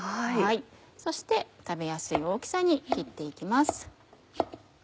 そして食べやすい大きさに切って行きます。